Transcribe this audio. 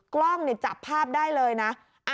กล้องจับภาพได้เลยนะ